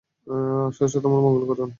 স্রষ্টা তোমার মঙ্গল করুন!